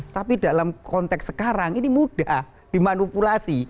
tapi dalam konteks sekarang ini mudah dimanipulasi